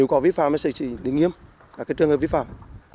nếu có vi pháo thì mình sẽ xử lý nghiêm các trường hợp vi pháo